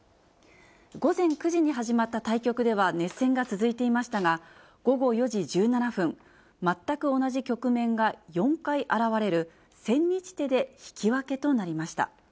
午前９時に始まった対局では熱戦が続いていましたが、午後４時１７分、全く同じ局面が４回現れる、千日手で引き分けとなりました。